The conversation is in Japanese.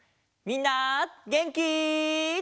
みんなげんき？